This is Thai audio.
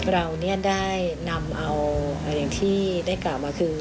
เราได้นำเอาอย่างที่ได้กล่าวมาคือ